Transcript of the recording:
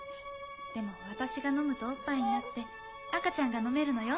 でも私が飲むとオッパイになって赤ちゃんが飲めるのよ。